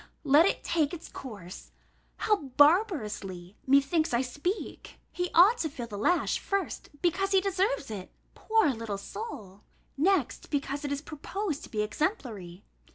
let it take its course! How barbarously, methinks, I speak! He ought to feel the lash, first, because he deserves it, poor little soul? Next, because it is proposed to be exemplary.